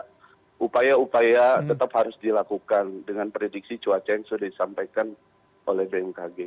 karena upaya upaya tetap harus dilakukan dengan prediksi cuaca yang sudah disampaikan oleh bmkg